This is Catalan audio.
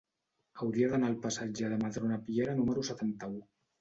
Hauria d'anar al passatge de Madrona Piera número setanta-u.